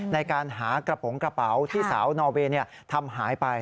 ในการหากระโปรงกระเป๋าที่สาวนอเวย์ทำหายไป